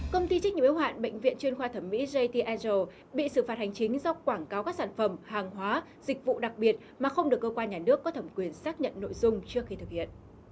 công ty trách nhiệm yếu hoạn bệnh viện chuyên khoa thẩm mỹ jt airg bị xử phạt hành chính do quảng cáo các sản phẩm hàng hóa dịch vụ đặc biệt mà không được cơ quan nhà nước có thẩm quyền xác nhận nội dung trước khi thực hiện